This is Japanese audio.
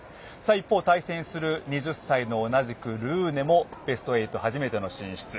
一方、対戦する２０歳の同じくルーネもベスト８、初めての進出。